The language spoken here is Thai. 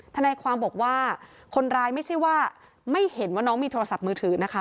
ทนายความบอกว่าคนร้ายไม่ใช่ว่าไม่เห็นว่าน้องมีโทรศัพท์มือถือนะคะ